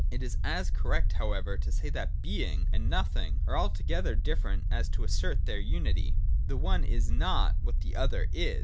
— It is as correct however to say that Being and Nothing are altogether different, as to assert their 1 64 THE DOCTRINE OF BEING. [88. unity. The one is not what the other is.